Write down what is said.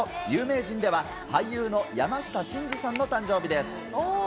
有名人では俳優の山下真司さんの誕生日です。